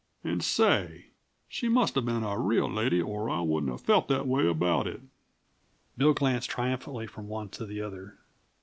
And say! She musta been a real lady or I wouldn't uh felt that way about it!" Bill glanced triumphantly from one to the other.